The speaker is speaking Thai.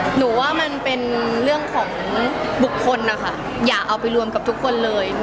หนูว่ามันเป็นเรื่องของบุคคลนะคะอย่าเอาไปรวมกับทุกคนเลย